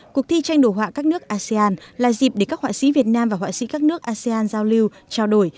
cuộc thi tranh đồ họa các nước asean là dịp để các họa sĩ việt nam và họa sĩ các nước asean giao lưu trao đổi